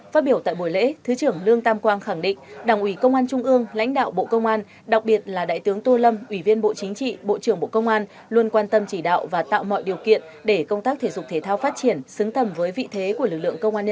phát biểu tại buổi lễ thứ trưởng lương tam quang khẳng định đảng ủy công an trung ương lãnh đạo bộ công an đặc biệt là đại tướng tô lâm ủy viên bộ chính trị bộ trưởng bộ công an luôn quan tâm chỉ đạo và tạo mọi điều kiện để công tác thể dục thể thao phát triển xứng tầm với vị thế của lực lượng công an nhân dân